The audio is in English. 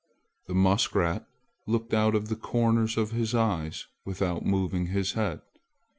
The muskrat looked out of the corners of his eyes without moving his head.